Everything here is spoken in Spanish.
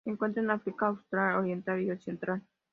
Se encuentran en África austral, oriental y central.